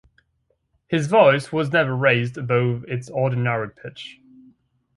His voice was never raised above its ordinary pitch.